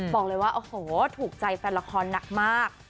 บอกเลยว่าโอ้โหถูกใจแฟนละครหนักมาก